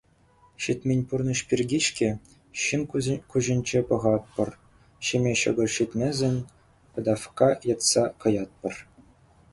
Ҫитмен пурнӑҫ пирки-ҫке ҫын куҫӗнчен пӑхатпӑр, ҫиме ҫӑкӑр ҫитмесен, пӑтавкка йӑтса каятпӑр.